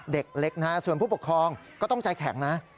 เด็กเล็กนะฮะส่วนผู้ปกครองก็ต้องใจแข็งนะ